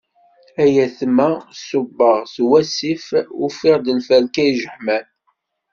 Ay atma ṣubbeɣ d wasif, ufiɣ lferk ijeḥmam.